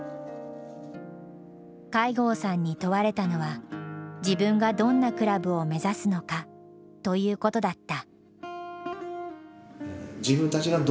飼牛さんに問われたのは自分がどんなクラブを目指すのかということだった。